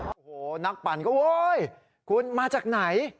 โอ้โหนักปั่นก็โว้ยคุณมาจากไหน